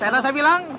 sebenernya saya bilang